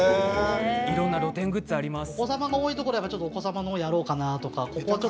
いろいろな露店グッズがありました。